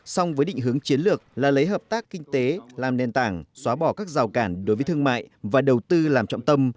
song với định hướng chiến lược là lấy hợp tác kinh tế làm nền tảng xóa bỏ các rào cản đối với thương mại và đầu tư làm trọng tâm